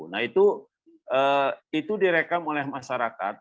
nah itu direkam oleh masyarakat